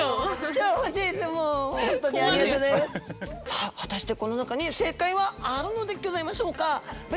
さあ果たしてこの中に正解はあるのでギョざいましょうか？